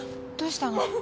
どうしたの？